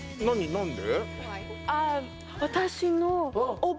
何で？